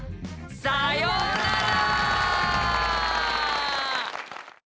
さようなら！